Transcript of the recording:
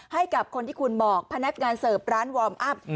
ให้กับคนที่คุณบอกพนักงานเสิร์ฟร้านวอร์มอัพ